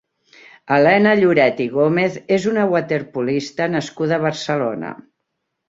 Helena Lloret i Gómez és una waterpolista nascuda a Barcelona.